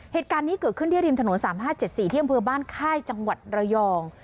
เหตุการณ์นี้เกิดขึ้นที่ริมถนน๓๕๗๔ที่อำเภอบ้านค่ายจังหวัดระยอง